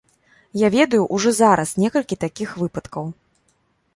Я ведаю ўжо зараз некалькі такіх выпадкаў.